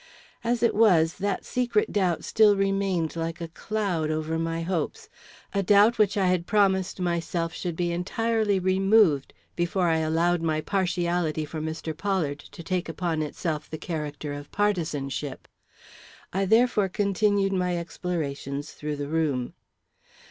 As it was, that secret doubt still remained like a cloud over my hopes, a doubt which I had promised myself should be entirely removed before I allowed my partiality for Mr. Pollard to take upon itself the character of partisanship. I therefore continued my explorations through the room.